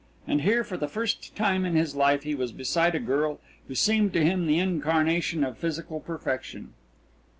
And here for the first time in his life he was beside a girl who seemed to him the incarnation of physical perfection.